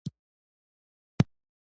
د نیمې شپې سندرې خوند کړي.